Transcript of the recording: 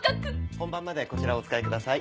本番までこちらをお使いください。